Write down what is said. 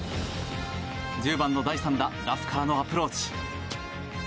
１０番の第３打ラフからのアプローチ。